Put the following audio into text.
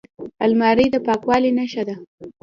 الماري د پاکوالي نښه ده